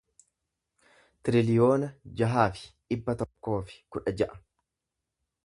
tiriliyoona jaha fi dhibba tokkoo fi kudha ja'a